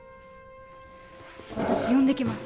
私呼んできます